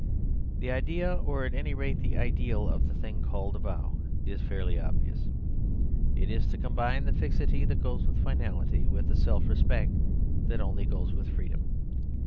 The idea, or at any rate the ideal, of the thing called a vow is fairly obvious. It is to combine the fixity that goes with finality with the self respect that only goes with freedom.